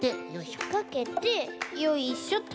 ひっかけてよいしょっと。